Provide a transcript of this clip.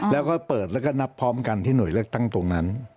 แล้วก็เปิดแล้วก็นับพร้อมกันที่หน่วยเลือกตั้งตรงนั้น